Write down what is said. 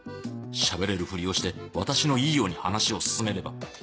喋れるふりをして私のいいように話を進めれば